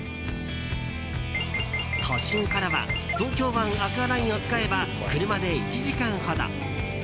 都心からは東京湾アクアラインを使えば車で１時間ほど。